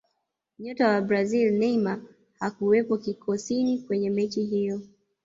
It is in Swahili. nyota wa brazili neymar hakuwepo kikosini kwenye mechi hiyo